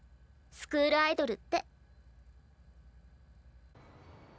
スクールアイドルって。